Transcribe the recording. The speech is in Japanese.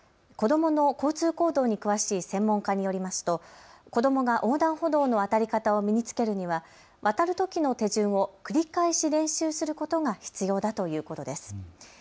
子どもの交通行動に詳しい専門家によりますと子どもが横断歩道の渡り方を身につけるには渡るときの手順を繰り返し練習することが必要だということです。